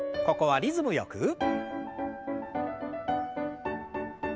ここはリズムよく。